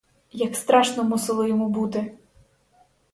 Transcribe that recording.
Як страшно мусило йому бути!